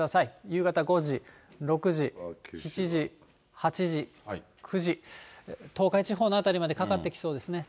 夕方５時、６時、７時、８時、９時、東海地方の辺りまでかかってきそうですね。